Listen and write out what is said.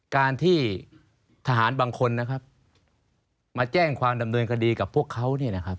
การที่ทหารบางคนมาแจ้งความดำเนินคดีกับพวกเขา